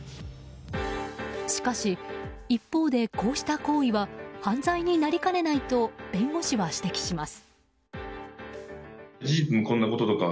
しかし、一方でこうした行為は犯罪になりかねないと弁護士は指摘します。